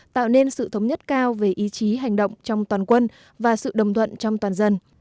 tạo nên sự thống nhất cao về ý chí hành động trong toàn quân và sự đồng thuận trong toàn dân